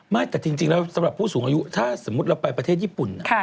แต่จริงแล้วสำหรับผู้สูงอายุถ้าสมมุติเราไปประเทศญี่ปุ่น